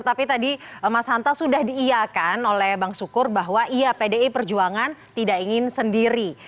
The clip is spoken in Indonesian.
tapi tadi mas hanta sudah diiakan oleh bang sukur bahwa iya pdi perjuangan tidak ingin sendiri